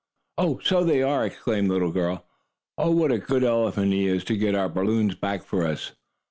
"Oh, so they are!" exclaimed the little girl. "Oh, what a good elephant he is to get our balloons back for us!"